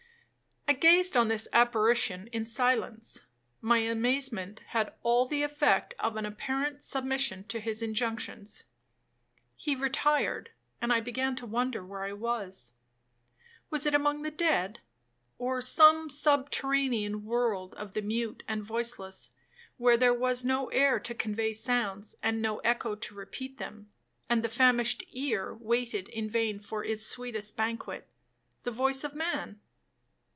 I gazed on this apparition in silence,—my amazement had all the effect of an apparent submission to his injunctions. He retired, and I began to wonder where I was. Was it among the dead? or some subterranean world of the mute and voiceless, where there was no air to convey sounds, and no echo to repeat them, and the famished ear waited in vain for its sweetest banquet,—the voice of man?